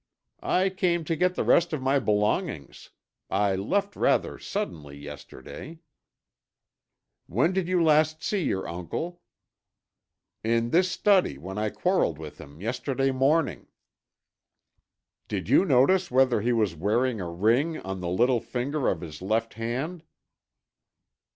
"I came to get the rest of my belongings. I left rather suddenly yesterday." "When did you last see your uncle?" "In this study when I quarreled with him yesterday morning." "Did you notice whether he was wearing a ring on the little finger of his left hand?"